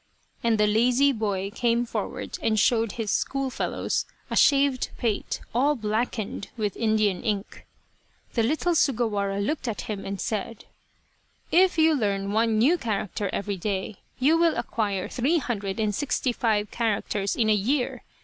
and the lazy boy came forward and showed his school fellows a shaved pate all blackened with Indian ink. The little Sugawara looked at him and said :" If you learn one new character every day you will acquire three hundred and sixty five characters in a year.